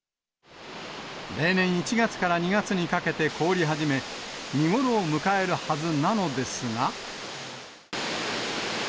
例年１月から２月にかけて凍り始め、見頃を迎えるはずなのですが。